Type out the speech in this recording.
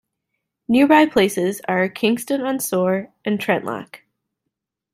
Nearby places are Kingston on Soar and Trentlock.